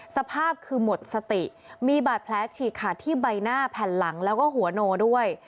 สภาพคือหมดสติมีบาดแผลฉีกขาดที่ใบหน้าแผ่นหลังแล้วก็หัวโนด้วย